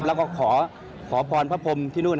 แล้วก็ขอพรพผมที่นู้น